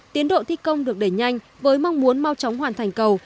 tiến độ thi công được đẩy nhanh với mong muốn mau chóng hoàn thành cầu